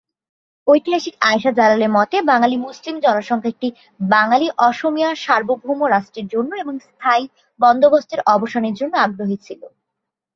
ঐতিহাসিক আয়েশা জালালের মতে, বাঙালি মুসলিম জনসংখ্যা একটি বাঙালি-অসমীয়া সার্বভৌম রাষ্ট্রের জন্য এবং স্থায়ী বন্দোবস্তের অবসানের জন্য আগ্রহী ছিল।